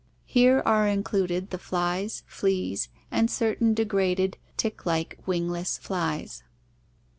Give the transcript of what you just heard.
Here are included the flies, fleas, and certain degraded, tick like, wing less flies.